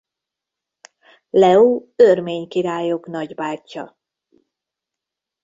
Leó örmény királyok nagybátyja.